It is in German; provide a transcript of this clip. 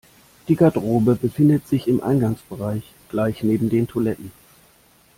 Die Garderobe befindet sich im Eingangsbereich, gleich neben den Toiletten.